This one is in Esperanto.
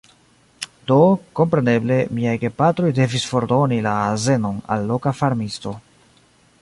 Do, kompreneble, miaj gepatroj devis fordoni la azenon al loka farmisto.